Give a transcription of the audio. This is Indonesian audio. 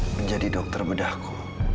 menjadi dokter bedahku